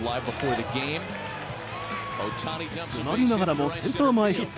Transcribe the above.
詰まりながらもセンター前ヒット。